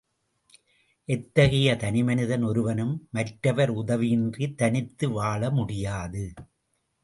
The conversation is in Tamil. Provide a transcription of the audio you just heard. எத்தகைய தனிமனிதன் ஒருவனும் மற்றவர் உதவியின்றித் தனித்து வாழமுடியாது.